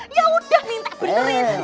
yaudah minta berterin